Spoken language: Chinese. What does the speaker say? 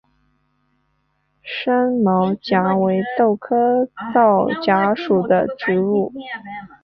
山皂荚为豆科皂荚属的植物。